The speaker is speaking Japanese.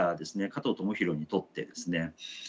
加藤智大にとってですね